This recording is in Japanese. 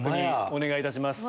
お願いいたします。